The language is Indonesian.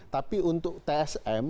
tapi untuk tsm